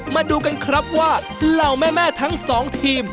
มาดูกันครับว่าเราแม่ทั้ง๒ทีม